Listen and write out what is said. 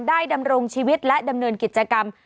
ดำรงชีวิตและดำเนินกิจกรรม